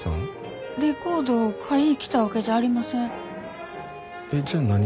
レコードを買いに来たわけじゃありません。